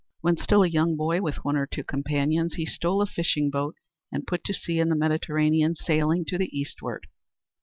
When still a young boy, with one or two companions, he stole a fishing boat and put to sea in the Mediterranean, sailing to the Eastward.